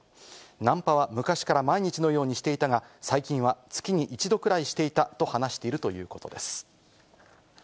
ナンパは昔から毎日のようにしていたが、最近は月に一度くらいしていたと話しているということです。